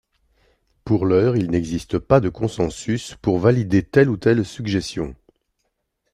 Pour l'heure, il n'existe pas de consensus pour valider telle ou telle suggestion.